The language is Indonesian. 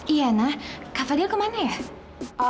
iya nah kakak fadil kemana ya